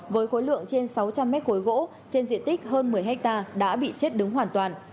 với khối lượng trên sáu trăm linh mét khối gỗ trên diện tích hơn một mươi hectare đã bị chết đứng hoàn toàn